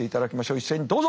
一斉にどうぞ。